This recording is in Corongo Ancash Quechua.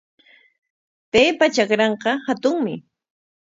Paypa trakranqa hatunmi.